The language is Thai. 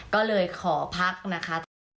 ก็เลยขอพักนะคะ